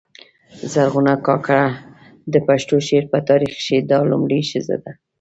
زرغونه کاکړه د پښتو شعر په تاریخ کښي دا لومړۍ ښځه ده.